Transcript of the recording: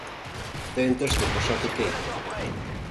Тыйын тыште пашат уке.